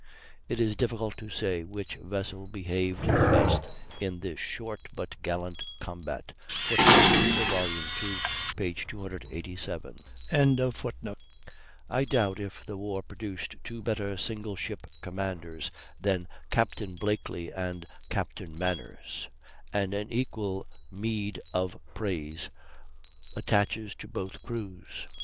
"It is difficult to say which vessel behaved the best in this short but gallant combat." [Footnote: Cooper, ii, 287.] I doubt if the war produced two better single ship commanders than Captain Blakely and Captain Manners; and an equal meed of praise attaches to both crews.